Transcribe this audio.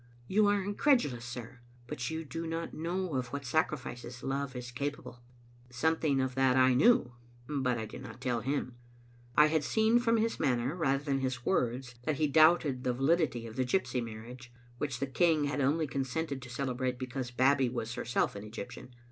You are incredulous, sir; but yqu do not know of what sacrifices love is capable." Something of that I knew, but I did not tell him. I had seen from his manner rather than his words that he doubted the validity of the gypsy marriage, which the king had only consented to celebrate because Bab bie was herself an Egyptian.